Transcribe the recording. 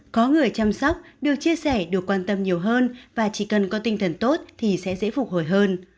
có người chăm sóc được chia sẻ được quan tâm nhiều hơn và chỉ cần có tinh thần tốt thì sẽ dễ phục hồi hơn